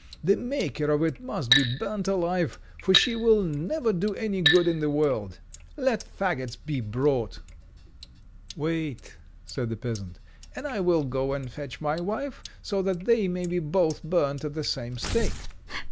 The maker of it must be burnt alive, for she will never do any good in the world. Let faggots be brought!" "Wait," said the peasant, "and I will go and fetch my wife, so that they may be both burned at the same stake."